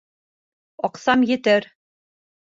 Аҡсам етер!